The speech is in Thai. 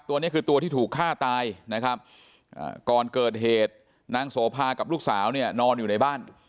ตัวนี้คือตัวที่ถูกฆ่าตายนะครับก่อนเกิดเหตุนางโสภากับลูกสาวเนี่ยนอนอยู่ในบ้าน